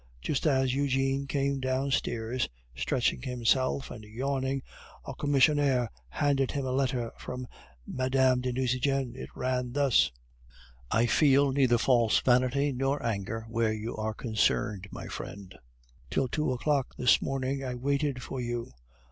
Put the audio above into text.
Just as Eugene came downstairs, stretching himself and yawning, a commissionaire handed him a letter from Mme. de Nucingen. It ran thus: "I feel neither false vanity nor anger where you are concerned, my friend. Till two o'clock this morning I waited for you.